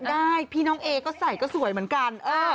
ได้พี่น้องเอก็ใส่ก็สวยเหมือนกัน